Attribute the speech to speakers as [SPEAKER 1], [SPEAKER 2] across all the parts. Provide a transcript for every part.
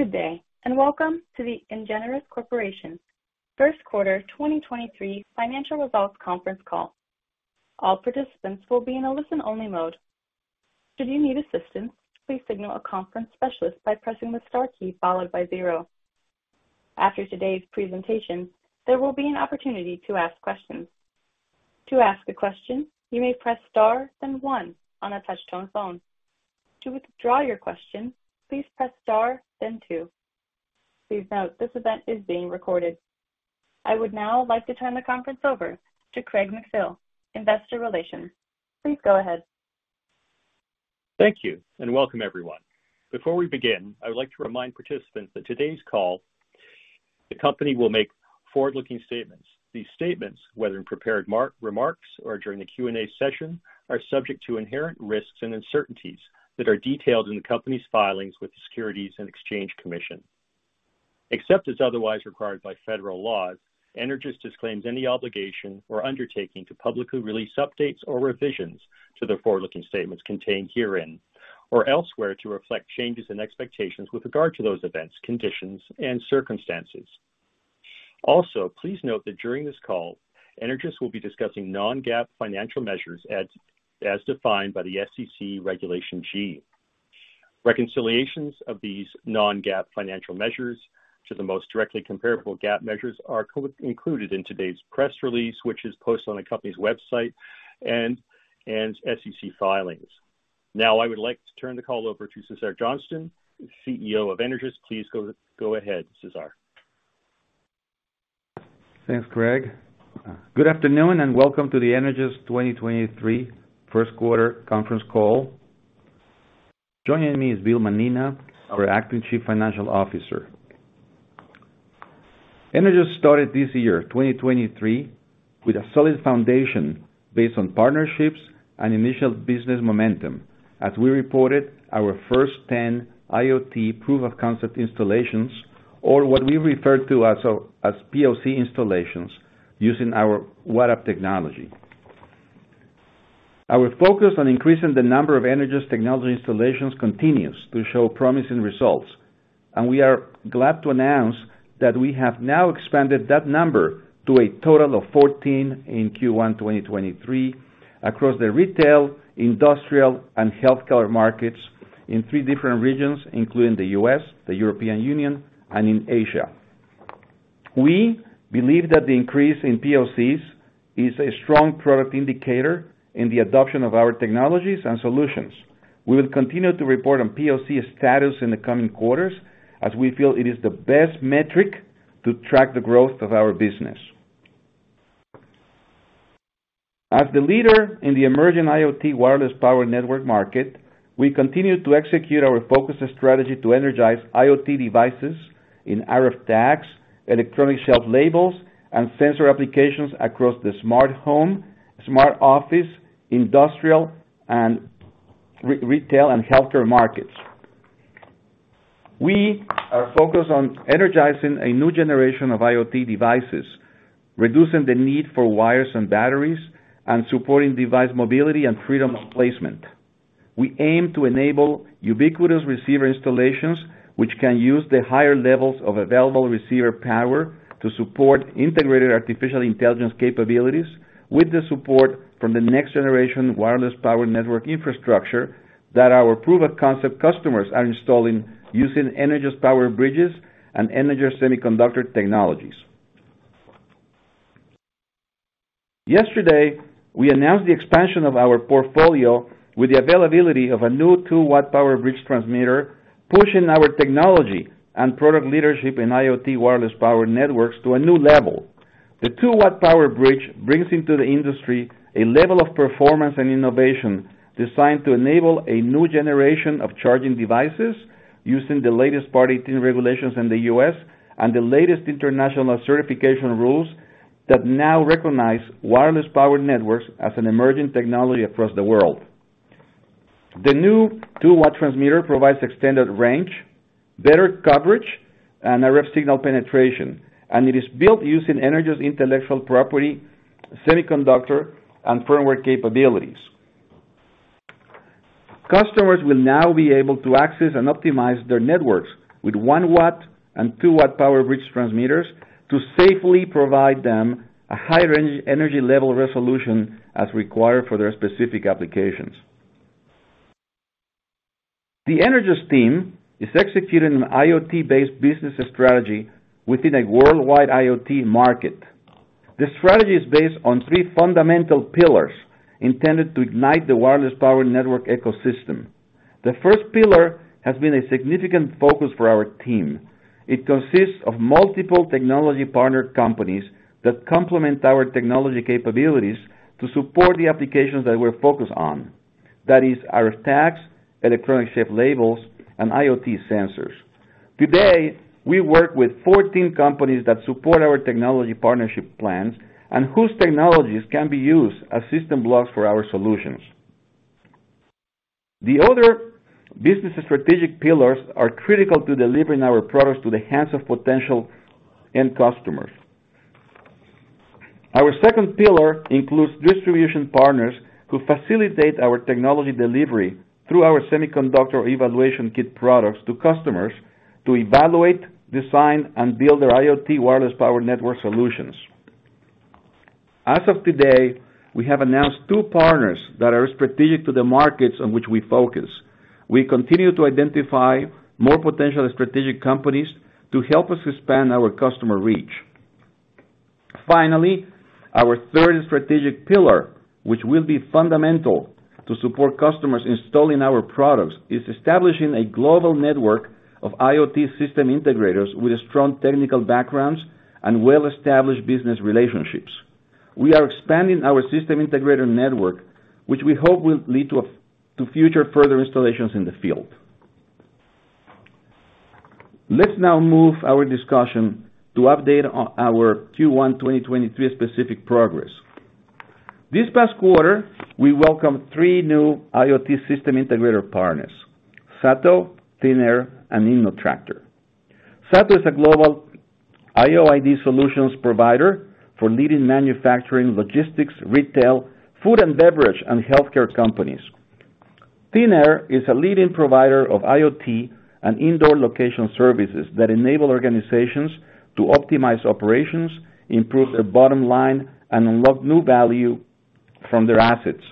[SPEAKER 1] Good day, welcome to the Energous Corporation First Quarter 2023 Financial Results Conference Call. All participants will be in a listen-only mode. Should you need assistance, please signal a conference specialist by pressing the Star key followed by 0. After today's presentation, there will be an opportunity to ask questions. To ask a question, you may press star then 1 on a touch-tone phone. To withdraw your question, please press star then 2. Please note this event is being recorded. I would now like to turn the conference over to Craig MacPhail, investor relations. Please go ahead.
[SPEAKER 2] Thank you, and welcome, everyone. Before we begin, I would like to remind participants that today's call, the company will make forward-looking statements. These statements, whether in prepared remarks or during the Q&A session, are subject to inherent risks and uncertainties that are detailed in the company's filings with the Securities and Exchange Commission. Except as otherwise required by federal laws, Energous disclaims any obligation or undertaking to publicly release updates or revisions to the forward-looking statements contained herein or elsewhere to reflect changes in expectations with regard to those events, conditions, and circumstances. Please note that during this call, Energous will be discussing non-GAAP financial measures as defined by the SEC Regulation G. Reconciliations of these non-GAAP financial measures to the most directly comparable GAAP measures are included in today's press release, which is posted on the company's website and SEC filings. Now, I would like to turn the call over to Cesar Johnston, CEO of Energous. Please go ahead, Cesar.
[SPEAKER 3] Thanks, Craig. Good afternoon, and welcome to the Energous 2023 first quarter conference call. Joining me is Bill Mannina, our Acting Chief Financial Officer. Energous started this year, 2023, with a solid foundation based on partnerships and initial business momentum as we reported our first 10 IoT proof of concept installations or what we refer to as POC installations using our WattUp technology. Our focus on increasing the number of Energous technology installations continues to show promising results, and we are glad to announce that we have now expanded that number to a total of 14 in Q1, 2023 across the retail, industrial, and healthcare markets in three different regions, including the U.S., the European Union, and in Asia. We believe that the increase in POCs is a strong product indicator in the adoption of our technologies and solutions. We will continue to report on POC status in the coming quarters as we feel it is the best metric to track the growth of our business. As the leader in the emerging IoT wireless power network market, we continue to execute our focus and strategy to energize IoT devices in RF tags, electronic shelf labels, and sensor applications across the smart home, smart office, industrial, and retail, and healthcare markets. We are focused on energizing a new generation of IoT devices, reducing the need for wires and batteries, and supporting device mobility and freedom of placement. We aim to enable ubiquitous receiver installations, which can use the higher levels of available receiver power to support integrated artificial intelligence capabilities with the support from the next-generation wireless power network infrastructure that our proof of concept customers are installing using Energous PowerBridges and Energous semiconductor technologies. Yesterday, we announced the expansion of our portfolio with the availability of a new 2-watt PowerBridge transmitter, pushing our technology and product leadership in IoT wireless power networks to a new level. The 2-watt PowerBridge brings into the industry a level of performance and innovation designed to enable a new generation of charging devices using the latest Part 18 regulations in the US and the latest international certification rules that now recognize wireless power networks as an emerging technology across the world. The new 2-watt transmitter provides extended range, better coverage, and RF signal penetration. It is built using Energous intellectual property, semiconductor, and firmware capabilities. Customers will now be able to access and optimize their networks with 1-watt and 2-watt PowerBridge transmitters to safely provide them a higher energy level resolution as required for their specific applications. The Energous team is executing an IoT-based business strategy within a worldwide IoT market. The strategy is based on three fundamental pillars intended to ignite the wireless power network ecosystem. The first pillar has been a significant focus for our team. It consists of multiple technology partner companies that complement our technology capabilities to support the applications that we're focused on. That is RF tags, electronic shelf labels, and IoT sensors. Today, we work with 14 companies that support our technology partnership plans and whose technologies can be used as system blocks for our solutions. The other business strategic pillars are critical to delivering our products to the hands of potential end customers. Our second pillar includes distribution partners who facilitate our technology delivery through our semiconductor evaluation kit products to customers to evaluate, design, and build their IoT wireless power network solutions. As of today, we have announced two partners that are strategic to the markets on which we focus. We continue to identify more potential strategic companies to help us expand our customer reach. Finally, our third strategic pillar, which will be fundamental to support customers installing our products, is establishing a global network of IoT system integrators with strong technical backgrounds and well-established business relationships. We are expanding our system integrator network, which we hope will lead to future further installations in the field. Let's now move our discussion to update on our Q1 2023 specific progress. This past quarter, we welcomed three new IoT system integrator partners, SATO, Thinaer, and InnoTractor. SATO is a global IoT solutions provider for leading manufacturing, logistics, retail, food and beverage, and healthcare companies. Thinaer is a leading provider of IoT and indoor location services that enable organizations to optimize operations, improve their bottom line, and unlock new value from their assets.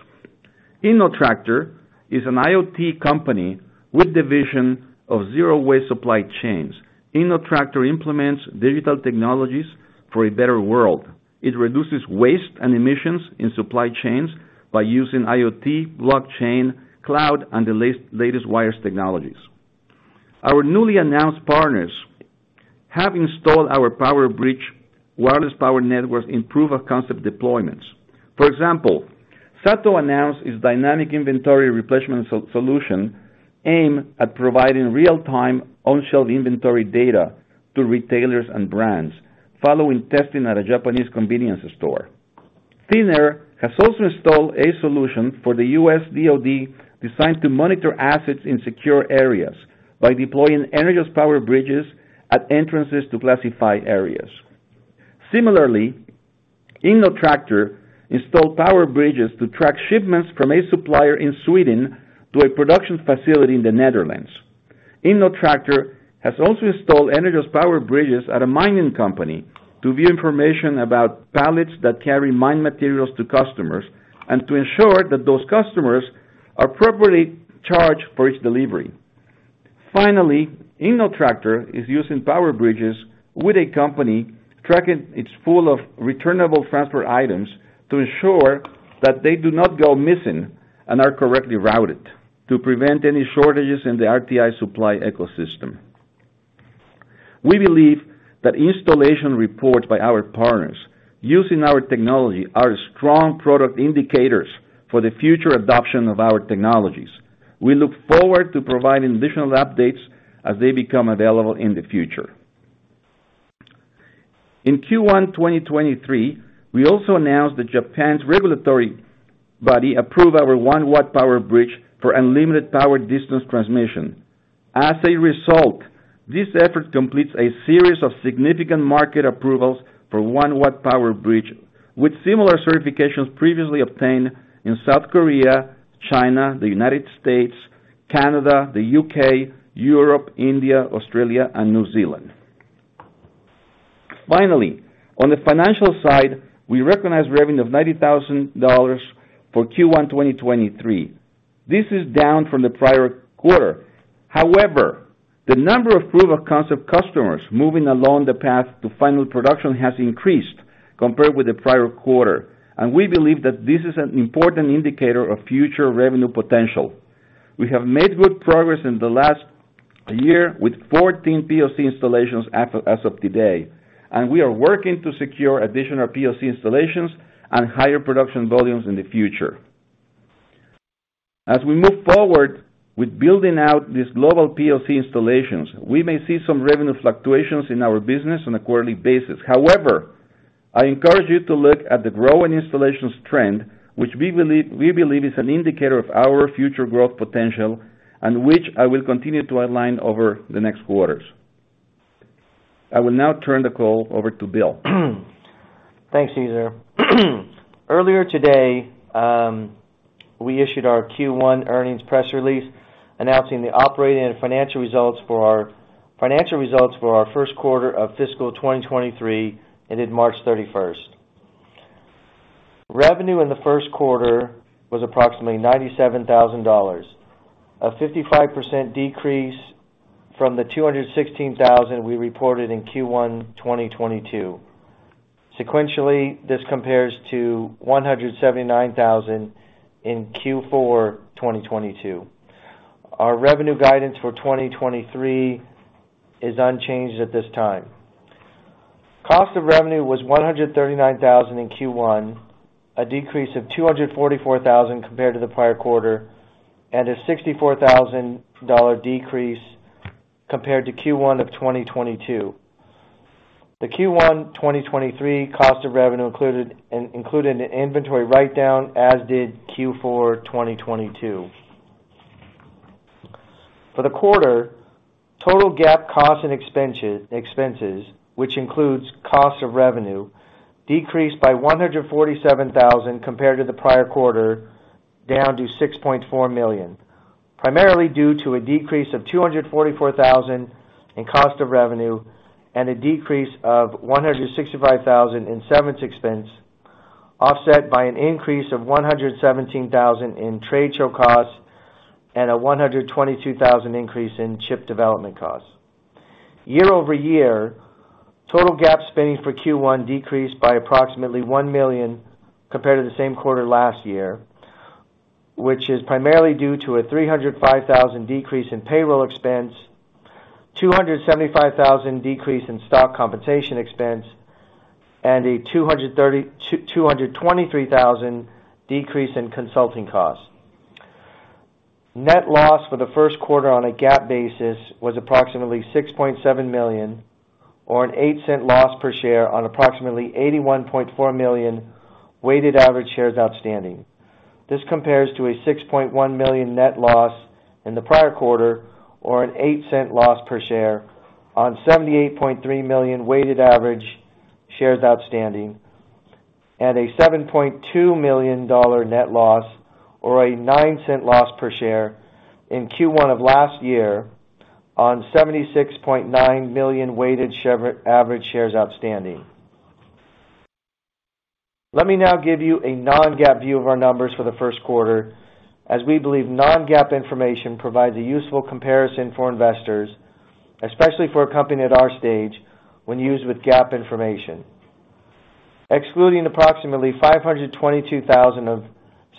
[SPEAKER 3] InnoTractor is an IoT company with the vision of zero waste supply chains. InnoTractor implements digital technologies for a better world. It reduces waste and emissions in supply chains by using IoT, blockchain, cloud, and the latest wireless technologies. Our newly announced partners have installed our PowerBridge wireless power networks in proof of concept deployments. For example, SATO announced its dynamic inventory replenishment solution aimed at providing real-time on-shelf inventory data to retailers and brands following testing at a Japanese convenience store. Thinaer has also installed a solution for the US DoD designed to monitor assets in secure areas by deploying Energous PowerBridge at entrances to classified areas. Similarly, InnoTractor installed PowerBridge to track shipments from a supplier in Sweden to a production facility in the Netherlands. InnoTractor has also installed Energous PowerBridge at a mining company to view information about pallets that carry mine materials to customers, and to ensure that those customers are appropriately charged for each delivery. Finally, InnoTractor is using PowerBridge with a company tracking its pool of returnable transfer items to ensure that they do not go missing and are correctly routed to prevent any shortages in the RTI supply ecosystem. We believe that installation reports by our partners using our technology are strong product indicators for the future adoption of our technologies. We look forward to providing additional updates as they become available in the future. In Q1 2023, we also announced that Japan's regulatory body approved our 1W PowerBridge for unlimited power distance transmission. As a result, this effort completes a series of significant market approvals for 1W PowerBridge, with similar certifications previously obtained in South Korea, China, the United States, Canada, the U.K., Europe, India, Australia, and New Zealand. On the financial side, we recognized revenue of $90,000 for Q1 2023. This is down from the prior quarter. The number of POC customers moving along the path to final production has increased compared with the prior quarter, and we believe that this is an important indicator of future revenue potential. We have made good progress in the last year with 14 POC installations as of today, and we are working to secure additional POC installations and higher production volumes in the future. As we move forward with building out these global POC installations, we may see some revenue fluctuations in our business on a quarterly basis. However, I encourage you to look at the growing installations trend, which we believe is an indicator of our future growth potential and which I will continue to align over the next quarters. I will now turn the call over to Bill.
[SPEAKER 4] Thanks, Cesar. Earlier today, we issued our Q1 earnings press release announcing the operating and financial results for our financial results for our first quarter of fiscal 2023, ended March 31st. Revenue in the first quarter was approximately $97,000, a 55% decrease from the $216,000 we reported in Q1 2022. Sequentially, this compares to $179,000 in Q4 2022. Our revenue guidance for 2023 is unchanged at this time. Cost of revenue was $139,000 in Q1, a decrease of $244,000 compared to the prior quarter and a $64,000 decrease compared to Q1 of 2022. The Q1 2023 cost of revenue included an inventory write down as did Q4 2022. For the quarter, total GAAP cost and expense, expenses, which includes cost of revenue, decreased by $147,000 compared to the prior quarter, down to $6.4 million, primarily due to a decrease of $244,000 in cost of revenue and a decrease of $165,000 in severance expense, offset by an increase of $117,000 in trade show costs and a $122,000 increase in chip development costs. Year-over-year, total GAAP spending for Q1 decreased by approximately $1 million compared to the same quarter last year, which is primarily due to a $305,000 decrease in payroll expense, $275,000 decrease in stock compensation expense, and a $223,000 decrease in consulting costs. Net loss for the first quarter on a GAAP basis was approximately $6.7 million or an $0.08 loss per share on approximately 81.4 million weighted average shares outstanding. This compares to a $6.1 million net loss in the prior quarter or an $0.08 loss per share on 78.3 million weighted average shares outstanding at a $7.2 million net loss or a $0.09 loss per share in Q1 of last year on 76.9 million weighted average shares outstanding. Let me now give you a non-GAAP view of our numbers for the 1st quarter as we believe non-GAAP information provides a useful comparison for investors, especially for a company at our stage when used with GAAP information. Excluding approximately $522,000 of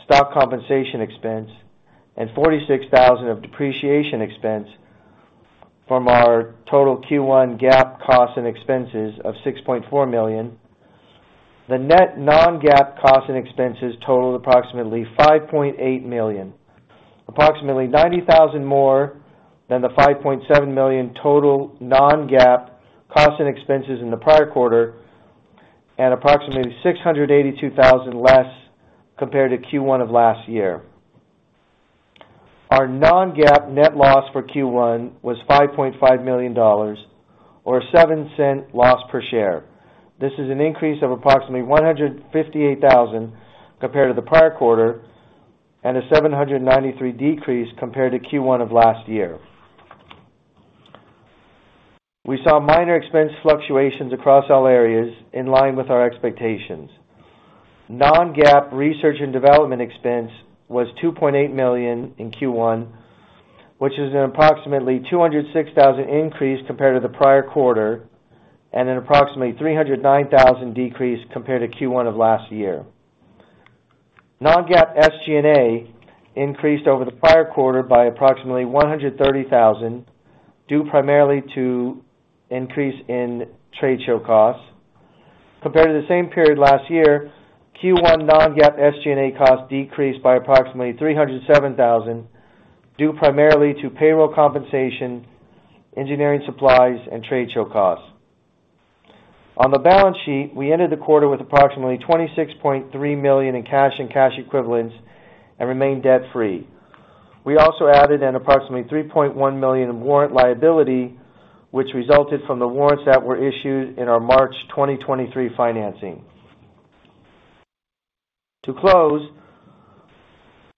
[SPEAKER 4] stock compensation expense and $46,000 of depreciation expense from our total Q1 GAAP costs and expenses of $6.4 million, the net non-GAAP cost and expenses totaled approximately $5.8 million, approximately $90,000 more than the $5.7 million total non-GAAP cost and expenses in the prior quarter and approximately $682,000 less compared to Q1 of last year. Our non-GAAP net loss for Q1 was $5.5 million or a $0.07 loss per share. This is an increase of approximately $158,000 compared to the prior quarter and a $793 decrease compared to Q1 of last year. We saw minor expense fluctuations across all areas in line with our expectations. Non-GAAP research and development expense was $2.8 million in Q1, which is an approximately $206,000 increase compared to the prior quarter and an approximately $309,000 decrease compared to Q1 of last year. Non-GAAP SG&A increased over the prior quarter by approximately $130,000, due primarily to increase in trade show costs. Compared to the same period last year, Q1 non-GAAP SG&A costs decreased by approximately $307,000, due primarily to payroll compensation, engineering supplies, and trade show costs. On the balance sheet, we ended the quarter with approximately $26.3 million in cash and cash equivalents and remained debt-free. We also added an approximately $3.1 million in warrant liability, which resulted from the warrants that were issued in our March 2023 financing. To close,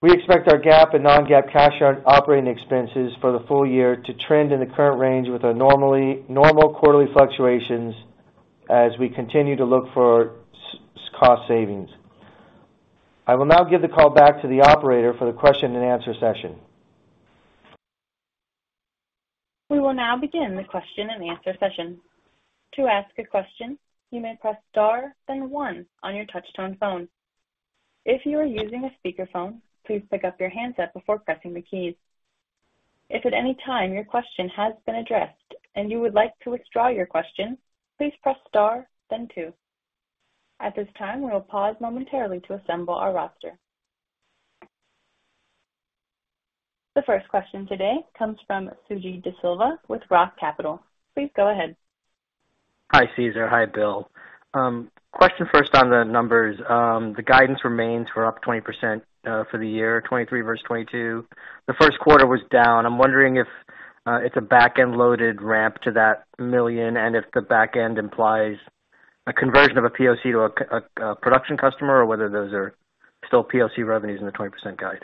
[SPEAKER 4] we expect our GAAP and non-GAAP cash operating expenses for the full year to trend in the current range with a normal quarterly fluctuations as we continue to look for cost savings. I will now give the call back to the operator for the question and answer session.
[SPEAKER 1] We will now begin the question and answer session. To ask a question, you may press Star then one on your touchtone phone. If you are using a speakerphone, please pick up your handset before pressing the keys. If at any time your question has been addressed and you would like to withdraw your question, please press Star then two. At this time, we will pause momentarily to assemble our roster. The first question today comes from Suji Desilva with Roth Capital. Please go ahead.
[SPEAKER 5] Hi, Cesar. Hi, Bill. Question first on the numbers. The guidance remains we're up 20% for the year 2023 versus 2022. The 1st quarter was down. I'm wondering if it's a back-end loaded ramp to that $1 million and if the back end implies a conversion of a POC to a production customer or whether those are still POC revenues in the 20% guide?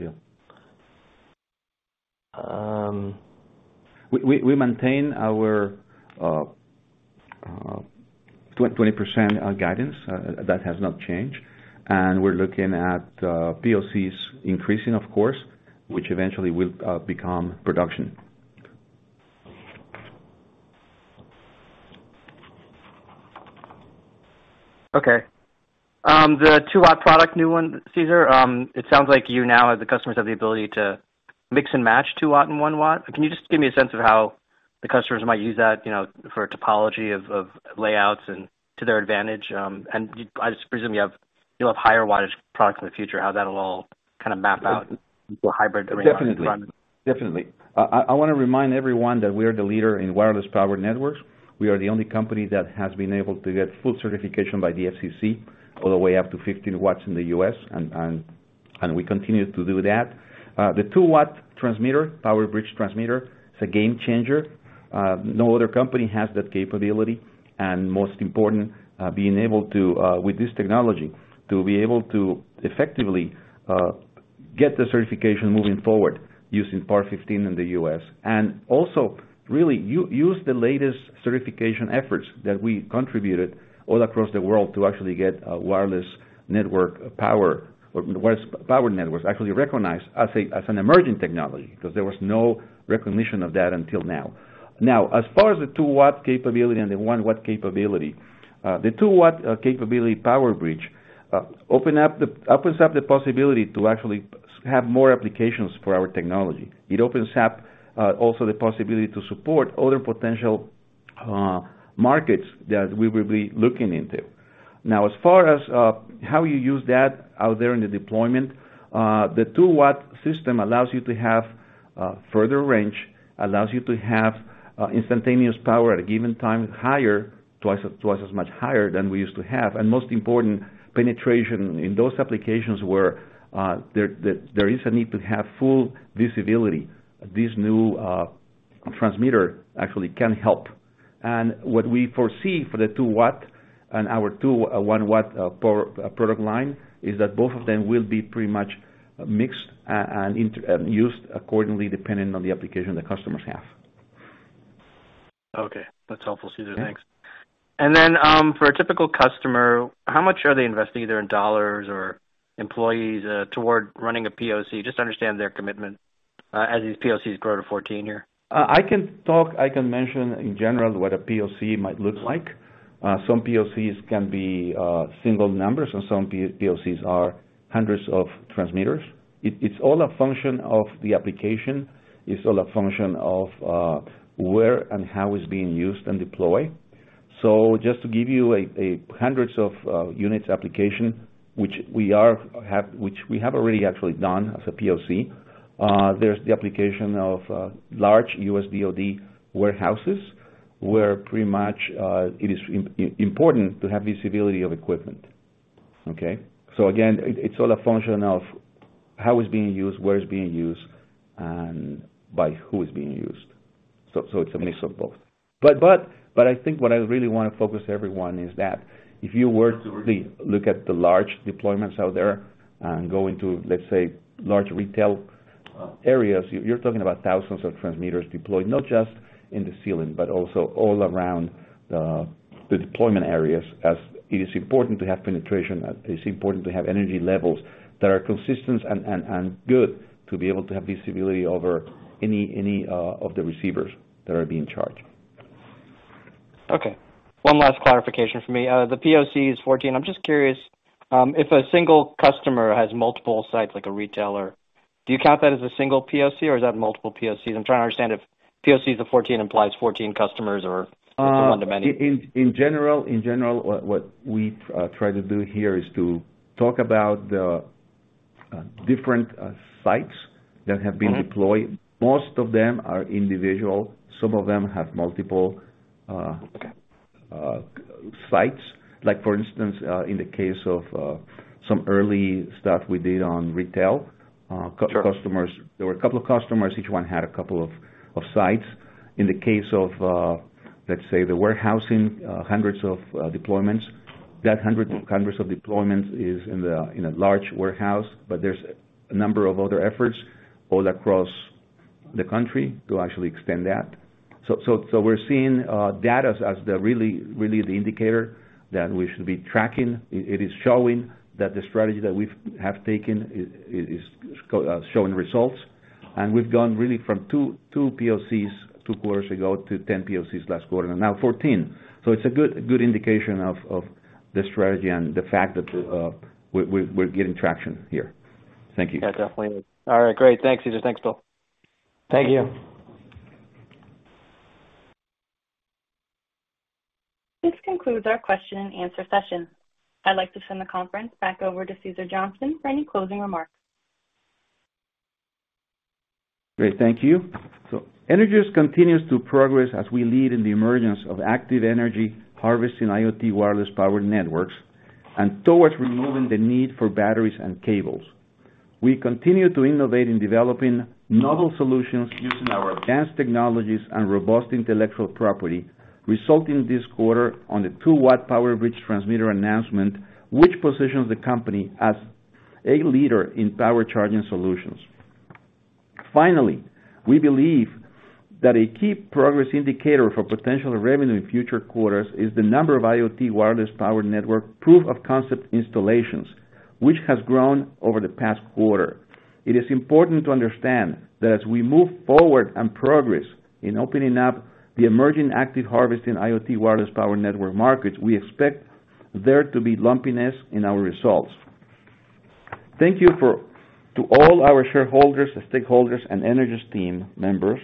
[SPEAKER 3] Yeah. We maintain our 20% guidance. That has not changed. We're looking at POCs increasing of course, which eventually will become production.
[SPEAKER 5] Okay. The 2-watt product, new one, Cesar, it sounds like you now have the customers have the ability to mix and match 2 watt and 1 watt. Can you just give me a sense of how the customers might use that, you know, for a topology of layouts and to their advantage? I just presume you'll have higher wattage products in the future, how that'll all kind of map out into a hybrid going on.
[SPEAKER 3] Definitely. I wanna remind everyone that we are the leader in wireless power networks. We are the only company that has been able to get full certification by the FCC all the way up to 15 watts in the U.S., and We continue to do that. The 2-watt PowerBridge transmitter is a game changer. No other company has that capability. Most important, being able to, with this technology, to be able to effectively get the certification moving forward using Part 15 in the U.S. and also really use the latest certification efforts that we contributed all across the world to actually get a wireless network power or wireless power networks actually recognized as an emerging technology, 'cause there was no recognition of that until now. As far as the 2-watt capability and the 1-watt capability, the 2-watt capability PowerBridge opens up the possibility to actually have more applications for our technology. It opens up also the possibility to support other potential markets that we will be looking into. As far as how you use that out there in the deployment, the 2-watt system allows you to have further range, allows you to have instantaneous power at a given time, higher, twice as much higher than we used to have. Most important, penetration in those applications where there is a need to have full visibility. This new transmitter actually can help. What we foresee for the 2-watt and our two, 1-watt power product line is that both of them will be pretty much mixed and used accordingly depending on the application the customers have.
[SPEAKER 5] Okay. That's helpful, Cesar.
[SPEAKER 3] Yeah.
[SPEAKER 5] Thanks. For a typical customer, how much are they investing, either in dollars or employees, toward running a POC? Just to understand their commitment, as these POCs grow to 14 here.
[SPEAKER 3] I can talk, I can mention in general what a POC might look like. Some POCs can be single numbers and some POCs are hundreds of transmitters. It's all a function of the application. It's all a function of where and how it's being used and deployed. Just to give you a hundreds of units application, which we have already actually done as a POC, there's the application of large US DoD warehouses where pretty much it is important to have visibility of equipment. Okay? Again, it's all a function of how it's being used, where it's being used, and by who it's being used. It's a mix of both. I think what I really wanna focus everyone is that if you were to really look at the large deployments out there and go into, let's say, large retail areas, you're talking about thousands of transmitters deployed, not just in the ceiling, but also all around the deployment areas, as it is important to have penetration. It's important to have energy levels that are consistent and good to be able to have visibility over any of the receivers that are being charged.
[SPEAKER 5] One last clarification for me. The POC is 14. I'm just curious, if a single customer has multiple sites like a retailer, do you count that as a single POC or is that multiple POCs? I'm trying to understand if POC is the 14 implies 14 customers or if it's one to many.
[SPEAKER 3] In general, what we try to do here is to talk about the different sites.
[SPEAKER 5] Mm-hmm.
[SPEAKER 3] deployed. Most of them are individual. Some of them have multiple.
[SPEAKER 5] Okay.
[SPEAKER 3] sites. like for instance, in the case of, some early stuff we did on retail.
[SPEAKER 5] Sure.
[SPEAKER 3] There were a couple of customers, each one had a couple of sites. In the case of, let's say the warehousing, hundreds of deployments, that hundreds of deployments is in a large warehouse, but there's a number of other efforts all across the country to actually extend that. We're seeing data as the really the indicator that we should be tracking. It is showing that the strategy that we've taken is showing results. We've gone really from two POCs two quarters ago to 10 POCs last quarter, now 14. It's a good indication of the strategy and the fact that we're getting traction here. Thank you.
[SPEAKER 5] Definitely. Great. Thanks, Cesar. Thanks, Bill.
[SPEAKER 3] Thank you.
[SPEAKER 1] This concludes our question and answer session. I'd like to send the conference back over to Cesar Johnston for any closing remarks.
[SPEAKER 3] Great. Thank you. Energous continues to progress as we lead in the emergence of active energy harvesting IoT wireless powered networks, and towards removing the need for batteries and cables. We continue to innovate in developing novel solutions using our advanced technologies and robust intellectual property, resulting this quarter on the 2-watt PowerBridge transmitter announcement, which positions the company as a leader in power charging solutions. Finally, we believe that a key progress indicator for potential revenue in future quarters is the number of IoT wireless power network proof of concept installations, which has grown over the past quarter. It is important to understand that as we move forward and progress in opening up the emerging active harvesting IoT wireless power network markets, we expect there to be lumpiness in our results. Thank you to all our shareholders, stakeholders and Energous team members,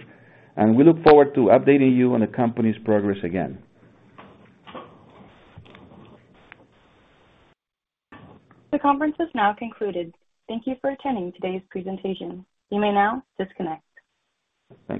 [SPEAKER 3] and we look forward to updating you on the company's progress again.
[SPEAKER 1] The conference has now concluded. Thank you for attending today's presentation. You may now disconnect.
[SPEAKER 3] Thank you.